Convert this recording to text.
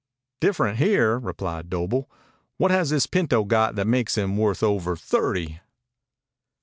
"Different here," replied Doble. "What has this pinto got that makes him worth over thirty?"